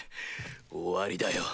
終わりだよ。